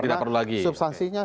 tidak perlu lagi substansinya